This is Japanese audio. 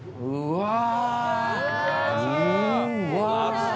うわ。